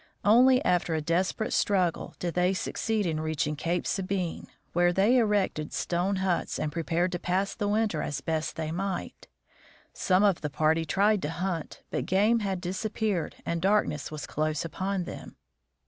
Only after a desperate struggle did they succeed in reaching Cape Sabine, where they erected stone huts and prepared to pass the winter as best they might. Some of the party tried to hunt, but game had disappeared and darkness was close upon them.